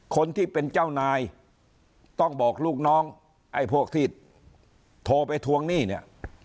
คนที่เป็นเจ้านายต้องบอกลูกน้องไอ้พวกที่โทรไปทวงหนี้เนี่ย